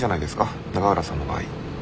永浦さんの場合。